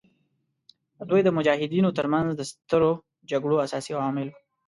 دوی د مجاهدینو تر منځ د سترو جګړو اساسي عوامل وو.